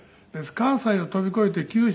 関西を飛び越えて九州。